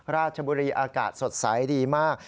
ราชบุรีอากาศสดใสดีมาก